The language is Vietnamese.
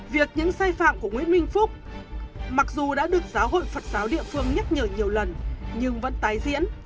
việc những sai phạm của nguyễn minh phúc mặc dù đã được giáo hội phật giáo địa phương nhắc nhở nhiều lần nhưng vẫn tái diễn